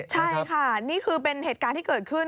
ใช่ค่ะนี่คือเป็นเหตุการณ์ที่เกิดขึ้น